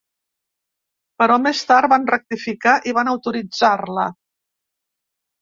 Però més tard van rectificar i van autoritzar-la.